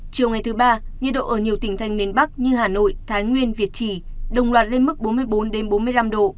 chiều ngày thứ ba nhiệt độ ở nhiều tỉnh thành miền bắc như hà nội thái nguyên việt trì đồng loạt lên mức bốn mươi bốn bốn mươi năm độ